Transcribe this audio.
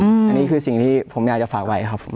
อันนี้คือสิ่งที่ผมอยากจะฝากไว้ครับ